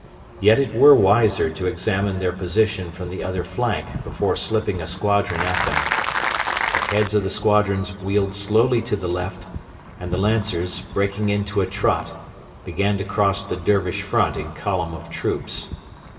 Yet it were wiser to examine their position from the other flank before slipping a squadron at them. The heads of the squadrons wheeled slowly to the left, and the Lancers, breaking into a trot, began to cross the Dervish front in column of troops.